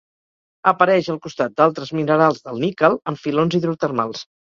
Apareix al costat d'altres minerals del níquel en filons hidrotermals.